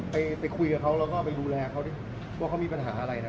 ไปคุยกับเขาแล้วก็ไปดูแลเขาดิว่าเขามีปัญหาอะไรนะ